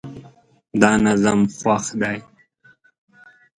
دا نظم خوښ دی